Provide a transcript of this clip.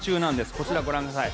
こちら、ご覧ください。